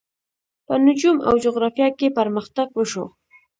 په نجوم او جغرافیه کې پرمختګ وشو.